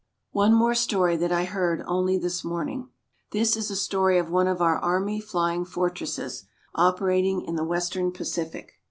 One more story, that I heard only this morning: This is a story of one of our Army Flying Fortresses operating in the Western Pacific.